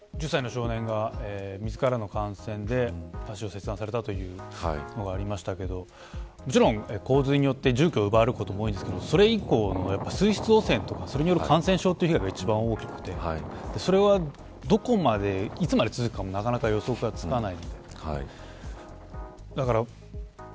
１０歳の少年が水からの感染で足を切断されたというのがありましたがもちろん洪水によって住居を奪われることも多いと思いますが水質汚染とかそれによる感染症の被害が大きくてどこまで、いつまで続くかも予測がつかない。